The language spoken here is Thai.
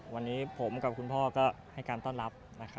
วันนี้ผมกับคุณพ่อก็ให้การต้อนรับ